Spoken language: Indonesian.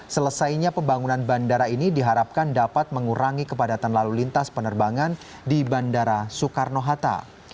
selesainya pembangunan bandara ini diharapkan dapat mengurangi kepadatan lalu lintas penerbangan di bandara soekarno hatta